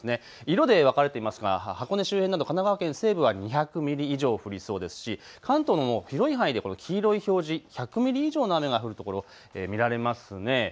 色で分かれていますが箱根周辺など神奈川県西部は２００ミリ以上、降りそうですし、関東の広い範囲でこの黄色い表示１００ミリ以上の雨が降るところ見られますね。